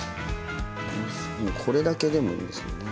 もうこれだけでもおいしそうね。